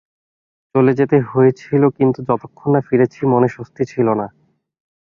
চলে যেতে হয়েছিল কিন্তু যতক্ষণ না ফিরেছি মনে স্বস্তি ছিল না।